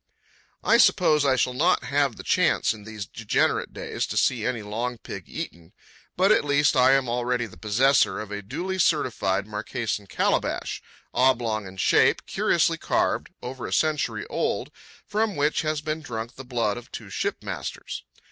I suppose I shall not have the chance in these degenerate days to see any long pig eaten, but at least I am already the possessor of a duly certified Marquesan calabash, oblong in shape, curiously carved, over a century old, from which has been drunk the blood of two shipmasters.